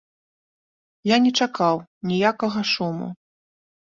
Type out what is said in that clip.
Я не чакаў ніякага шуму.